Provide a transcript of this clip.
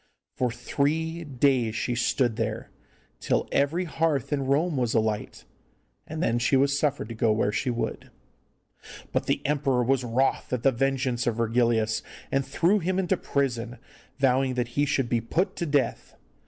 For three days she stood there, till every hearth in Rome was alight, and then she was suffered to go where she would. But the emperor was wroth at the vengeance of Virgilius, and threw him into prison, vowing that he should be put to death.